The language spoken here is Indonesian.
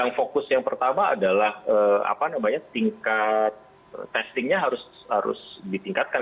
yang fokus yang pertama adalah tingkat testingnya harus ditingkatkan